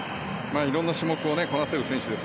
いろんな種目をこなせる選手です。